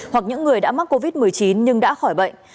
hoặc những người đã mắc covid một mươi chín nhưng đã khỏi bệnh